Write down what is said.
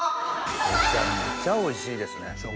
むちゃむちゃおいしいですね。